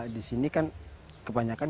di sini kan kebanyakan